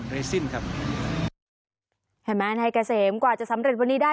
ครับเห็นไหมอันไห้กระเสมกว่าจะสำเร็จวันนี้ได้